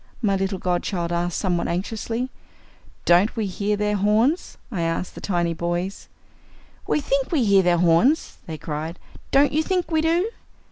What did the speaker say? my little godchild asked somewhat anxiously. "Don't we hear their horns?" I asked the tiny boys. "We think we hear their horns," they cried. "Don't you think we do?"